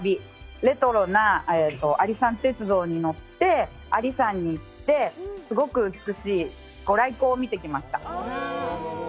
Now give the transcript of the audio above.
レトロな阿里山鉄道に乗って阿里山に行って、すごく美しいご来光を見てきました。